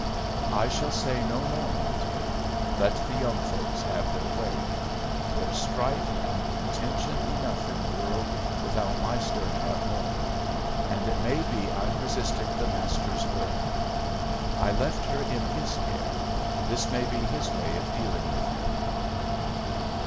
"I shall say no more, my dear. Let the young folks have their way. There's strife and contention enough in the world without my stirring up more. And it may be I'm resisting the Master's will. I left her in his care; this may be his way of dealing with her."